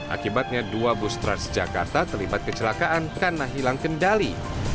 akibatnya dua bus transjakarta terlibat kecelakaan karena hilang kendali